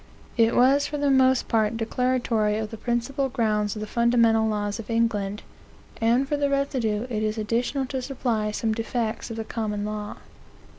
"It was for the most part declaratory of the principal grounds of the fundamental laws of England, and for the residue it is additional to supply some defects of the common law.